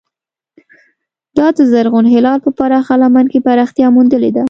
دا د زرغون هلال په پراخه لمن کې پراختیا موندلې ده.